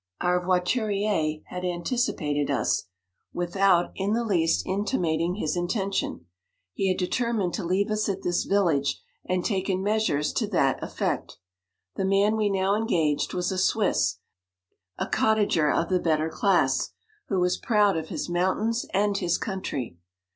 Our voitu rier had anticipated us, without in the 42 least intimating his intention : he had determined to leave us, at this village, and taken measures to that effect. The man we now engaged was a Swiss, a cottager of the better class, who was proud of his mountains and his country.